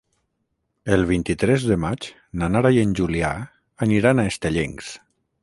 El vint-i-tres de maig na Nara i en Julià aniran a Estellencs.